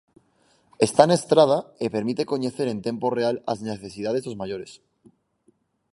Está na Estrada e permite coñecer en tempo real as necesidades dos maiores.